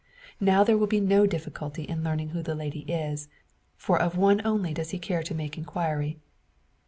Now there will be no difficulty in learning who the lady is for of one only does he care to make inquiry.